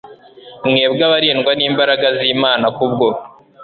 mwebwe abarindwa n imbaraga z Imana ku bwo